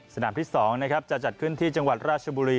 สนามที่๒นะครับจะจัดขึ้นที่จังหวัดราชบุรี